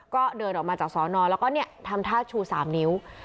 ก็เดินออกมาจากสอนอแล้วก็ทำท่าชู๓นิ้ว